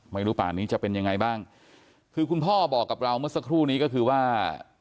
ไม่รู้ป่านี้จะเป็นยังไงบ้างคือคุณพ่อบอกกับเราเมื่อสักครู่นี้ก็คือว่า